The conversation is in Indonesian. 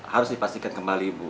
harus dipastikan kembali ibu